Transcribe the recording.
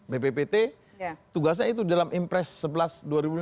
bppt tugasnya itu dalam impres sebelas dua ribu lima belas